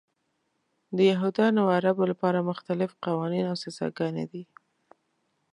د یهودانو او عربو لپاره مختلف قوانین او سزاګانې دي.